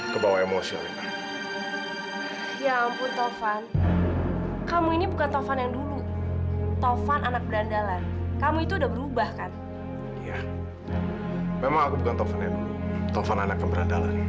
kalo dia mukulin gua